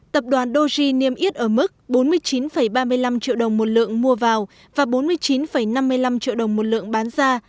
tập đoàn doji niêm yết ở mức bốn mươi chín ba mươi năm triệu đồng một lượng mua vào và bốn mươi chín năm mươi năm triệu đồng một lượng bán ra